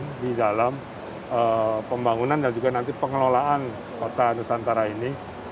jadi kita harus berpikir pikir di dalam pembangunan dan juga nanti pengelolaan kota nusantara ini